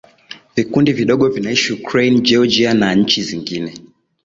Vikundi vidogo vinaishi Ukraine Georgia na nchi zingine